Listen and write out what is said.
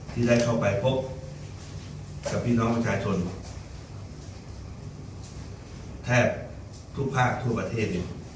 ที่ได้เข้าไปพบกับพี่น้องประชาชนแทบทุกภาคทั่วประเทศเลย